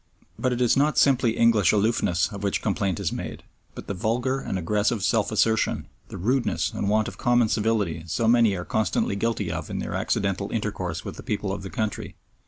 But it is not simply English aloofness of which complaint is made, but the vulgar and aggressive self assertion, the rudeness and want of common civility so many are constantly guilty of in their accidental intercourse with the people of the country.